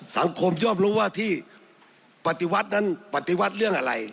ย่อมรู้ว่าที่ปฏิวัตินั้นปฏิวัติเรื่องอะไร